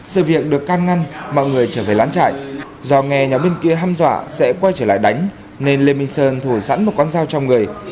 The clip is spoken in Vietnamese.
sự việc được can ngăn mọi người trở về lán chạy do nghe nhóm bên kia hâm dọa sẽ quay trở lại đánh nên lê minh sơn thùa sẵn một con dao trong người